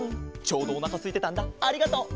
ちょうどおなかすいてたんだありがとう。